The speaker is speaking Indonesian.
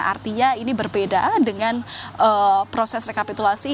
artinya ini berbeda dengan proses rekapitulasi